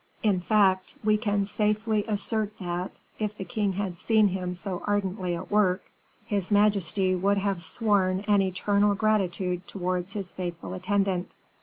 In fact, we can safely assert that, if the king had seen him so ardently at work, his majesty would have sworn an eternal gratitude towards his faithful attendant.